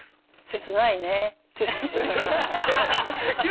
切ないよね。